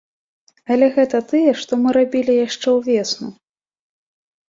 Але гэта тыя, што мы рабілі яшчэ ўвесну.